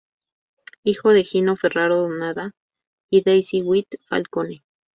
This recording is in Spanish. Hijo de Gino Ferraro Donada y Daisy White Falcone.